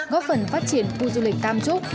góp phần phát triển khu du lịch tam trúc